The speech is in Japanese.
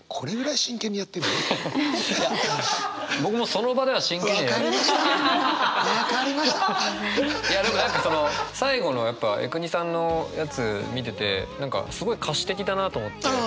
いやでも何かその最後のやっぱ江國さんのやつ見てて何かすごい歌詞的だなと思って。